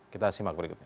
kita simak berikutnya